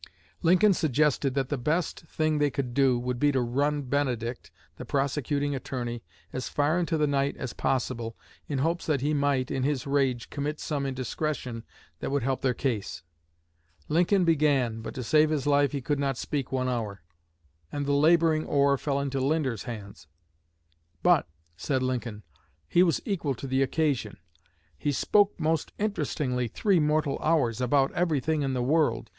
Lincoln suggested that the best thing they could do would be to run Benedict, the prosecuting attorney, as far into the night as possible, in hopes that he might, in his rage, commit some indiscretion that would help their case. Lincoln began, but to save his life he could not speak one hour, and the laboring oar fell into Linder's hands. "But," said Lincoln, "he was equal to the occasion. He spoke most interestingly three mortal hours, about everything in the world.